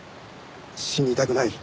「死にたくない」。